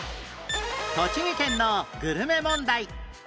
栃木県のグルメ問題